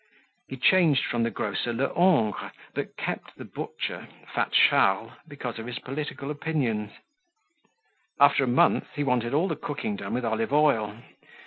He changed from the grocer Lehongre but kept the butcher, fat Charles, because of his political opinions. After a month he wanted all the cooking done with olive oil.